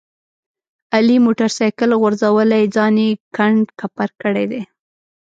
علي موټر سایکل غورځولی ځان یې کنډ کپر کړی دی.